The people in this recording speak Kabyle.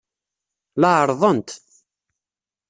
La ɛerrḍent.